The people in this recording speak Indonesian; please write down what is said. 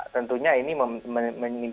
tentunya ini menimbulkan